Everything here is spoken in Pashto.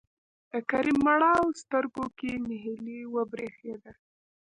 د کريم مړاوو سترګو کې نهيلي وبرېښېده.